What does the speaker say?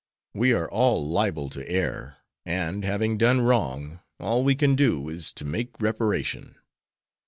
We are all liable to err, and, having done wrong, all we can do is to make reparation."